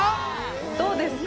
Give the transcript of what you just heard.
どうですか？